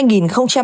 riêng năm hai nghìn